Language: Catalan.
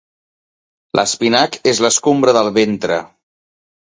L'espinac és l'escombra del ventre.